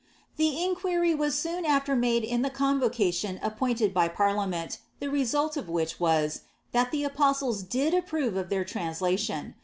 ' The inquiry was soon aAcr made in the convocation appointed by parliament, ihi> result of which was, that (he apostles did approve cf (heir transiaiion.